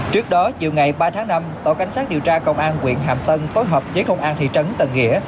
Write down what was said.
trước đó chiều ngày ba tháng năm tổ cảnh sát điều tra công an quyện hàm tân phối hợp với công an thị trấn tân nghĩa